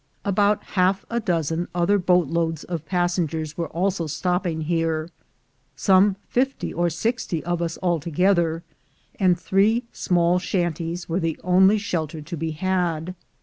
About half a dozen other boat loads of passengers were also stopping here, some fifty or sixty of us alto gether, and three small shanties were the only shelter to be had.